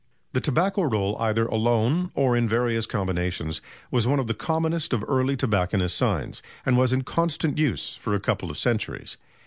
The "Tobacco Roll," either alone or in various combinations, was one of the commonest of early tobacconists' signs, and was in constant use for a couple of centuries.